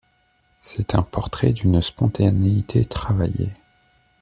C'est un portrait d'une spontanéité travaillée.